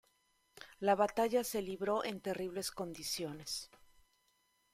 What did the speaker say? La batalla se libró en terribles condiciones.